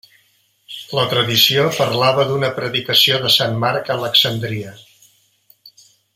La tradició parlava d'una predicació de Sant Marc a Alexandria.